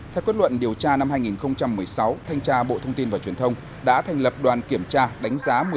theo quyết luận điều tra năm hai nghìn một mươi sáu thanh tra bộ thông tin và truyền thông đã thành lập đoàn kiểm tra đánh giá